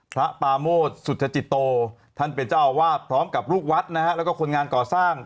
พระปาโมทสุธจิตโตท่านเป็นเจ้าอาวาสพร้อมกับลูกวัดนะฮะแล้วก็คนงานก่อสร้าง